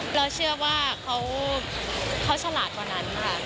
เราเชื่อว่าเขาฉลาดกว่านั้นค่ะ